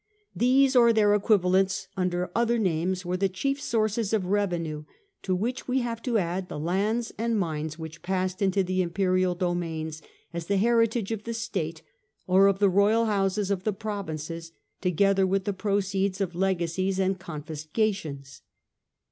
These or their equivalents under other names were the chief sources of revenue, to which we have to add the lands and mines which passed into the imperial domains as the heritage of the state or of the royal houses of the provinces, together with the proceeds of legacies and confiscations.